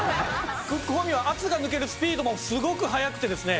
クックフォーミーは圧が抜けるスピードもすごく早くてですね